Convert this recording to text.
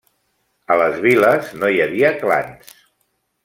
A les viles no hi havia clans.